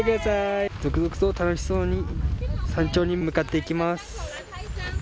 続々と楽しそうに山頂に向かって行きます。